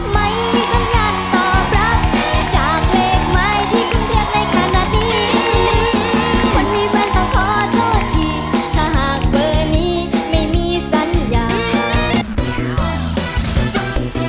ไม่มีสัญญา